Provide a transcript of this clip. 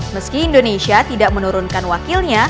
meski indonesia tidak menurunkan wakilnya